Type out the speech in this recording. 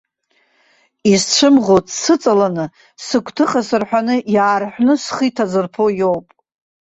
Исцәымӷу, дсыҵаланы, сыгәҭыха сырҳәаны, иаарҳәны схы иҭазырԥо иоуп.